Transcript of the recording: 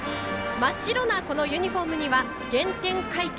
真っ白なユニフォームには「原点回帰」。